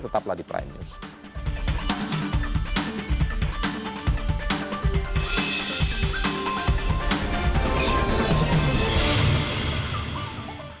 tetaplah di prime news